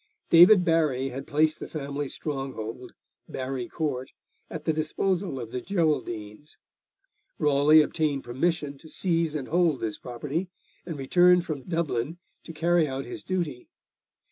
David Barry had placed the family stronghold, Barry Court, at the disposal of the Geraldines. Raleigh obtained permission to seize and hold this property, and returned from Dublin to carry out his duty.